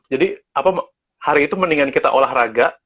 jadi hari itu mendingan kita olahraga